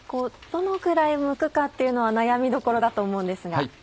どのぐらいむくかっていうのは悩みどころだと思うんですが。